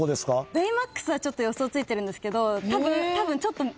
ベイマックスはちょっと予想ついてるんですけど。